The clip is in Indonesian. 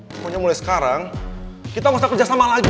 pokoknya mulai sekarang kita gak usah kerja sama lagi